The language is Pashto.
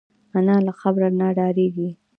انا له قبر نه ډارېږي